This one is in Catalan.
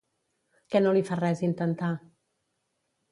Què no li fa res intentar?